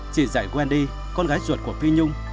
chị dạy wendy con gái ruột của phi nhung